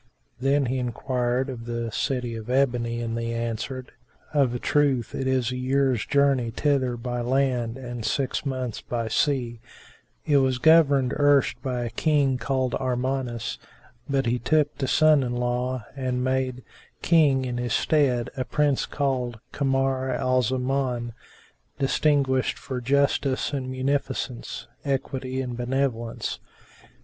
Then he enquired of the City of Ebony and they answered, "Of a truth it is a year's journey thither by land and six months by sea: it was governed erst by a King called Armanus; but he took to son in law and made King in his stead a Prince called Kamar al Zaman distinguished for justice and munificence, equity and benevolence."